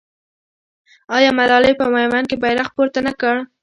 آیا ملالۍ په میوند کې بیرغ پورته نه کړ؟